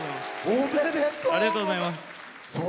おめでとうございます。